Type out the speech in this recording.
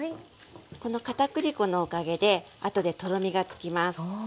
この片栗粉のおかげであとでとろみがつきます。